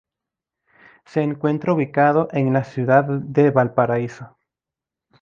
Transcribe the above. Se encuentra ubicado en la ciudad de Valparaíso.